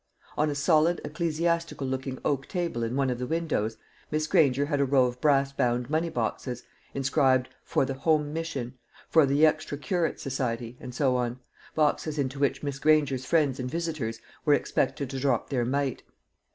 On a solid ecclesiastical looking oak table in one of the windows Miss Granger had a row of brass bound money boxes, inscribed, "For the Home Mission," "For the Extra Curate Society," and so on boxes into which Miss Granger's friends and visitors were expected to drop their mite.